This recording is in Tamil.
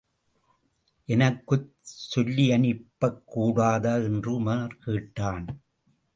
எனக்குச் சொல்லியனுப்பக்கூடாதா? என்று உமார் கேட்டான்.